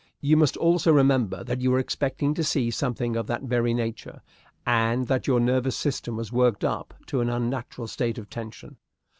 You must also remember that you were expecting to see something of that very nature, and that your nervous system was worked up to an unnatural state of tension.